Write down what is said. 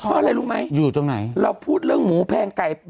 พอเลยรู้ไหมเราพูดเรื่องหมูแพงไก่